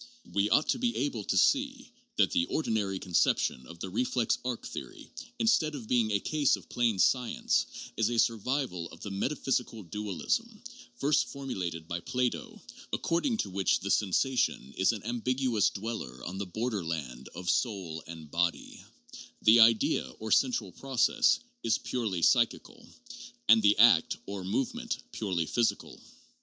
We ought to be able to see that the ordinary conception of the reflex arc theory, instead of being a case of plain science, is a survival of the metaphysical dualism, first formulated by Plato, according to which the sensation is an ambiguous dweller on the border land of soul and body, the idea (or central process) is purely psychical, and the act (or movement) purely physical.